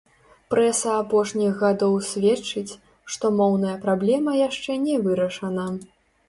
Прэса апошніх гадоў сведчыць, што моўная праблема яшчэ не вырашана.